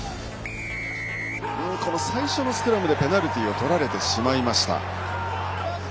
最初のスクラムでペナルティーをとられました。